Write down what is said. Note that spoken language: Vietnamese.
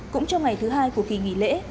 cũng trong ngày thứ hai của kỳ nghỉ lễ